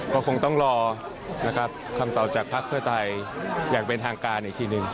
ก็คงต้องรอคำตอบจากภาคเก้าไกลอย่างเป็นทางการอีกทีหนึ่ง